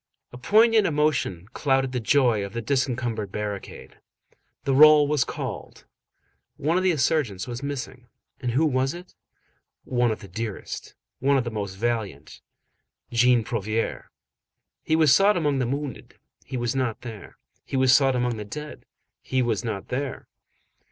A poignant emotion clouded the joy of the disencumbered barricade. The roll was called. One of the insurgents was missing. And who was it? One of the dearest. One of the most valiant. Jean Prouvaire. He was sought among the wounded, he was not there. He was sought among the dead, he was not there.